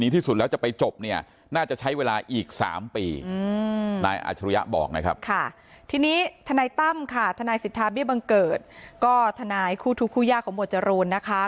ทีนี้ทนายตั้มค่ะทนายสิทธาเบี้ยบังเกิดก็ทนายคู่ทุกคู่ยากของหมวดจรูนนะคะ